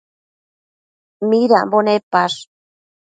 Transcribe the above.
Midambo nepash?